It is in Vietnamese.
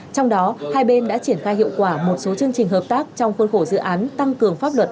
trong đó hai bên đã triển khai hiệu quả một số chương trình hợp tác trong khuôn khổ dự án tăng cường pháp luật